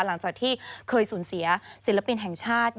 หลังจากที่เคยสูญเสียศิลปินแห่งชาติ